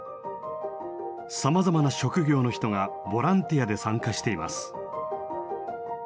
さまざまな職業の人がボランティアで参加しています。